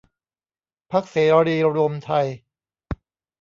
พรรคเสรีรวมไทย